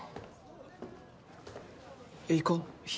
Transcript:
行こう柊。